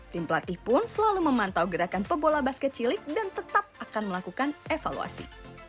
tim pelatih pun selalu memantau gerakan pebola basket cilik dan tetap akan melakukan evaluasi